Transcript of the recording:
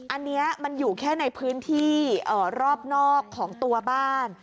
อันนี้มันอยู่แค่ในพื้นที่รอบนอกของตัวบ้าน